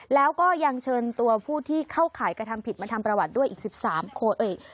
แล้วก็ยังเชิญตัวผู้ที่เข้าข่ายกระทำผิดมาทำประวัติด้วยอีก๑๓คนอีก